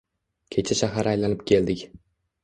— Kecha shahar aylanib keldik.